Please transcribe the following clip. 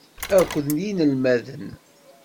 Akked yinelmaden.